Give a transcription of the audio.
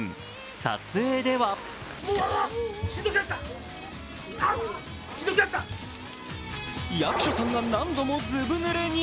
撮影では役所さんが何度もずぶぬれに。